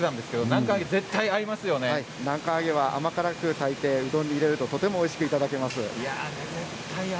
南関あげは甘辛くしてうどんに入れるととてもおいしくなります。